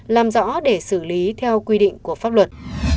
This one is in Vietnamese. làm rõ để xử lý theo quy định của pháp luật